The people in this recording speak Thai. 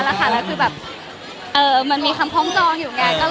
แล้วก็มีความพร้อมแต่ไม่คิดว่าจะหาทาง